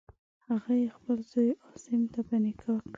هغه یې خپل زوی عاصم ته په نکاح کړه.